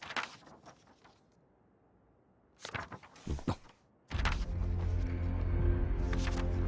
あっ。